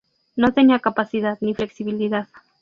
No tenía capacidad ni flexibilidad.